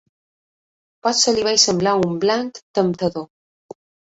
Potser li vaig semblar un blanc temptador.